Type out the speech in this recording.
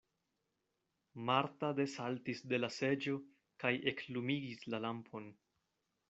Marta desaltis de la seĝo kaj eklumigis la lampon.